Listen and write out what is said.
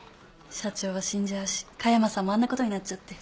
社長が死んじゃうし加山さんもあんなことになっちゃって。